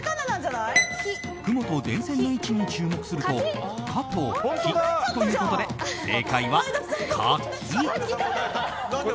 雲と電線の位置に注目すると「カ」と「キ」ということで正解はカキ。